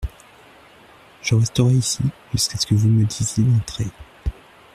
Je resterai ici jusqu’à ce que vous me disiez d’entrer.